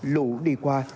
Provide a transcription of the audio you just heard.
lũ đi qua